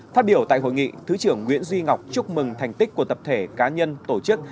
phát biểu tại hội nghị thứ trưởng nguyễn duy ngọc chúc mừng thành tích của tập thể cá nhân tổ chức